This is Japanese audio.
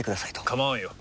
構わんよ。